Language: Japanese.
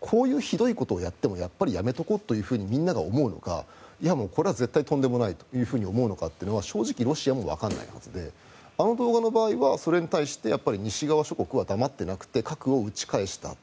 こういうひどいことをやってもやっぱりやめておこうとみんなが思うのかこれは絶対とんでもないと思うのかは正直ロシアもわからないはずであの動画の場合はそれに対して西側諸国は黙っていなくて核を撃ち返した。